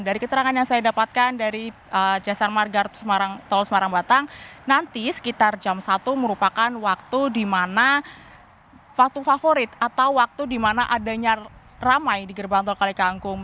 dari keterangan yang saya dapatkan dari jasa marga tol semarang batang nanti sekitar jam satu merupakan waktu di mana waktu favorit atau waktu di mana adanya ramai di gerbang tol kalikangkung